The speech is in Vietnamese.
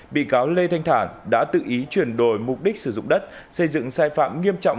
hai nghìn một mươi bị cáo lê thanh thản đã tự ý chuyển đổi mục đích sử dụng đất xây dựng sai phạm nghiêm trọng